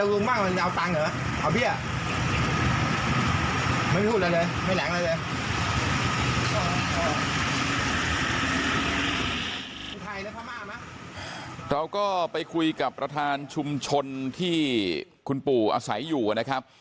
เราก็ไปคุยกับประธานชุมชนที่คุณปู่อาศัยอยู่นะครับ